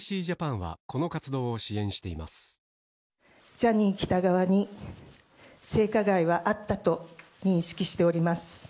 ジャニー喜多川に性加害はあったと認識しております。